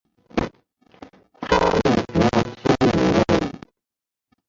它们主要吃鱼类。